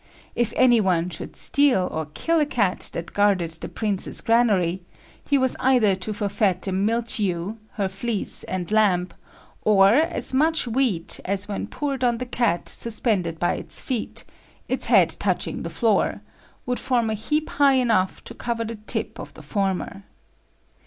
If any one should steal or kill a cat that guarded the Prince's granary, he was either to forfeit a milch ewe, her fleece and lamb, or as much wheat as when poured on the cat suspended by its feet (its head touching the floor), would form a heap high enough to cover the tip of the former."